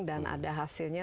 dan ada hasilnya